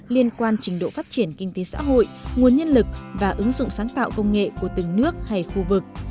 liên quan trình độ phát triển kinh tế xã hội nguồn nhân lực và ứng dụng sáng tạo công nghệ của từng nước hay khu vực